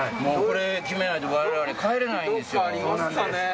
決めないと我々帰れないんです。